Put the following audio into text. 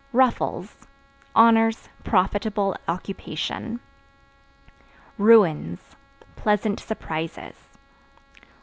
Ruffles Honors, profitable occupation. Ruins Pleasant surprises.